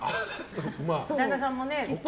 旦那さんもね。